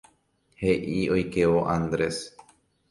He'i oikévo Andrés.